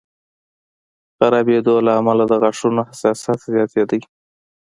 خرابېدو له کبله د غاښونو حساسیت زیاتېدو